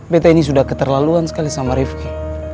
bete ini sudah keterlaluan sekali sama rizky